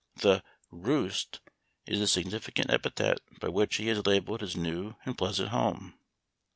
The " Roost" is the significant epithet by which he has labeled his new and pleasant home.